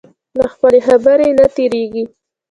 له خپلې خبرې نه تېرېږي.